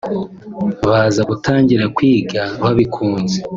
Baza gutangira kwiga babikunze